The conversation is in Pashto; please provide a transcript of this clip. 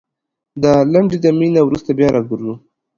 دا لنډې دمي نه وروسته بيا راګرځوو